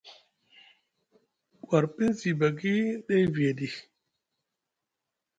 War pinzibaki dai viya ɗi?